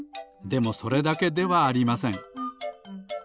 でもそれだけではありません。